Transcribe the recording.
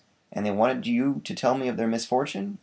"And they wanted you to tell me of their misfortune"?